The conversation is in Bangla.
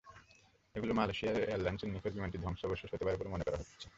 এগুলো মালয়েশিয়ার এয়ারলাইনসের নিখোঁজ বিমানটির ধ্বংসাবশেষ হতে পারে বলে মনে করা হচ্ছে।